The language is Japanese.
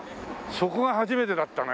そこが初めてだったね。